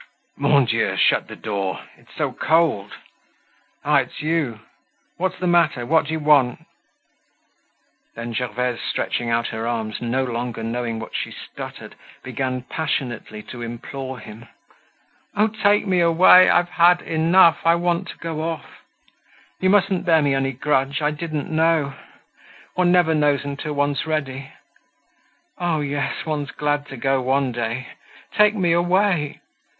"Mon Dieu! shut the door! It's so cold! Ah! it's you! What's the matter? What do you want?" Then, Gervaise, stretching out her arms, no longer knowing what she stuttered, began passionately to implore him: "Oh! take me away! I've had enough; I want to go off. You mustn't bear me any grudge. I didn't know. One never knows until one's ready. Oh, yes; one's glad to go one day! Take me away!